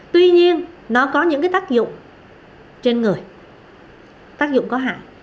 tuy nhiên nó có những cái tác dụng trên người tác dụng có hạn